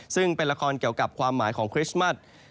ซึ่งเป็นละครเกี่ยวกับความหมายของคริสต์มัส